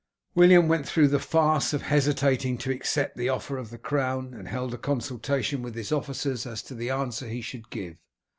William went through the farce of hesitating to accept the offer of the crown, and held a consultation with his officers as to the answer he should give.